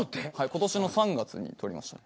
ことしの３月に撮りました。